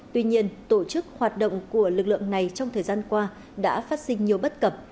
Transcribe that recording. tuy nhiên tổ chức hoạt động của lực lượng này trong thời gian qua đã phát sinh nhiều bất cập